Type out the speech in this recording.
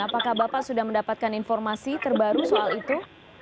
apakah bapak sudah mendapatkan informasi terbaru soal itu